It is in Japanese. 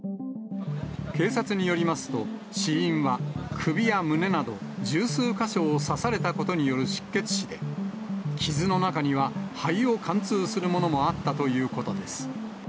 警察によりますと、死因は首や胸など十数か所を刺されたことによる失血死で、傷の中には肺を貫通するものもあったということです。